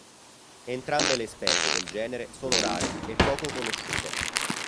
Entrambe le specie del genere sono rare e poco conosciute.